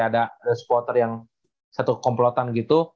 ada supporter yang satu komplotan gitu